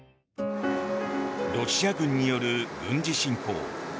ロシア軍による軍事侵攻。